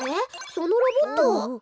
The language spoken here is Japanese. そのロボット。